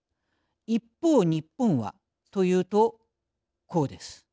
一方日本はというとこうです。